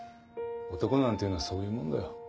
男なんていうのはそういうもんだよ。